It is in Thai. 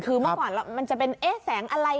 คือเมื่อก่อนจะเป็นแสงอะไร